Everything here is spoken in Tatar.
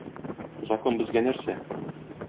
Закон безгә нәрсә?!